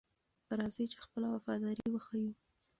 راځئ چې خپله وفاداري وښیو.